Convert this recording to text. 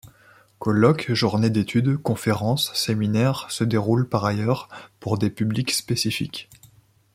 Colloques, journées d'étude, conférences, séminaires se déroulent, par ailleurs, pour des publics spécifiques.